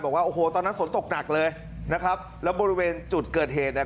บอกว่าโอ้โหตอนนั้นฝนตกหนักเลยนะครับแล้วบริเวณจุดเกิดเหตุเนี่ย